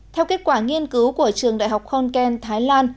theo kết quả nghiên cứu của trường đại học hong kong thái lan